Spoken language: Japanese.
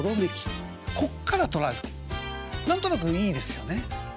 何となくいいですよねええ。